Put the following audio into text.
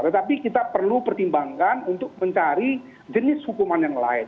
tetapi kita perlu pertimbangkan untuk mencari jenis hukuman yang lain